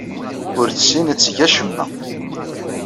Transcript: Ur tessin ad teg acemma.